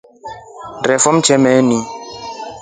Hondee mtremeni.